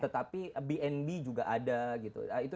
tetapi bnb juga ada gitu